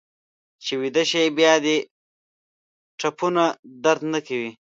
چې ویده شې بیا دې ټپونه درد نه کوي.